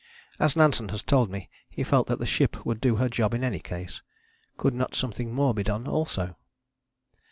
As Nansen has told me, he felt that the ship would do her job in any case. Could not something more be done also?